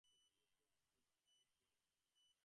তো তুমি কি আমার ডায়ান কিটেন হবে?